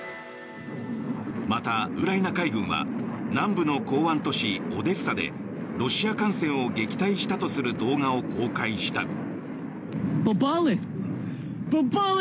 また、ウクライナ海軍は南部の港湾都市オデッサでロシア艦船を撃退したとする動画を公開した。